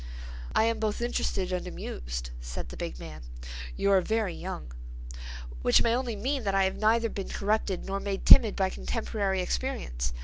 "I am both interested and amused," said the big man. "You are very young." "Which may only mean that I have neither been corrupted nor made timid by contemporary experience.